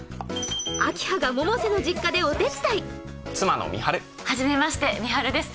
明葉が百瀬の実家でお手伝い妻の美晴初めまして美晴です